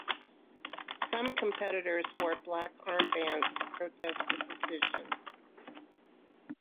Some competitors wore black armbands to protest the decision.